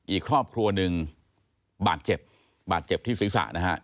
อีกครอบครัวหนึ่งบาดเจ็บบาดเจ็บที่ศีรษะนะฮะ